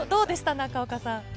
中岡さん。